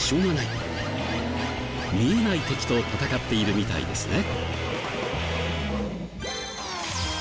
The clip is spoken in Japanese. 見えない敵と戦っているみたいですね。